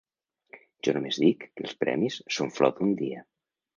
Jo només dic que els premis són flor d'un dia.